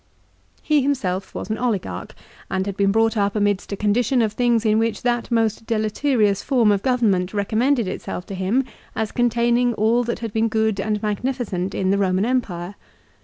He himself was an oligarch, and had been brought up amidst a condition of things in which that most deleterious form of government recommended itself to him as containing all that had been good and mag nificent in the Roman empire.